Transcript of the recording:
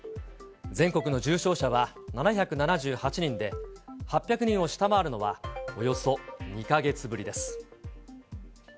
全国の重症者は７７８人で、８００人を下回るのはおよそ２か月ぶりです。